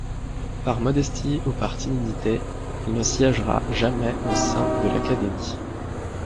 Par modestie ou par timidité, il ne siégera jamais au sein de l'académie.